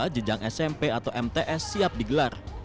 jenjang smp atau mts siap digelar